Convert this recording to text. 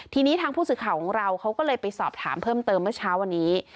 ทีนี้ทางผู้สื่อข่าวของเราเขาก็เลยไปสอบถามเพิ่มเติมเมื่อเช้าวันนี้